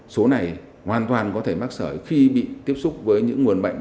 số này hoàn toàn có thể mắc sởi khi bị tiếp xúc với những nguồn bệnh